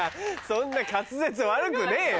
そんな滑舌悪くねえよ。